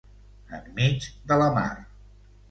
Enmig de la mar.